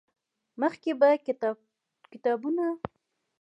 مخکې به کتابونه ارزان وو